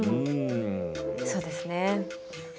そうですねはい。